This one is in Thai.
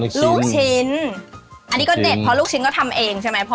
ลูกชิ้นอันนี้ก็เด็ดเพราะลูกชิ้นก็ทำเองใช่ไหมพ่อ